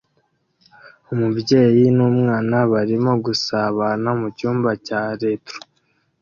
Umubyeyi n'umwana barimo gusabana mucyumba cya retro